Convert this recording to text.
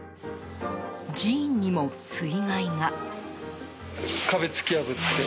寺院にも水害が。